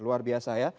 luar biasa ya